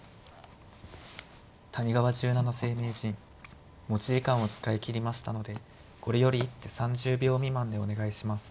谷川十七世名人持ち時間を使い切りましたのでこれより一手３０秒未満でお願いします。